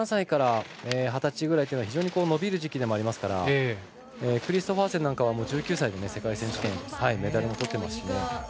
ただ、１７歳から二十歳ぐらいというのは伸びる時期でもありますからクリストファーセンなんかは１９歳で世界選手権メダルもとってますし。